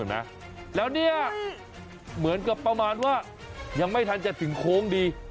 แล้วเนี่ยเหมือนกับประมาณว่ายังไม่ทันจะถึงโค้งดี